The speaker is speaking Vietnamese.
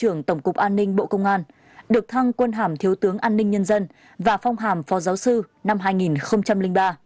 trưởng tổng cục an ninh bộ công an được thăng quân hàm thiếu tướng an ninh nhân dân và phong hàm phó giáo sư năm hai nghìn ba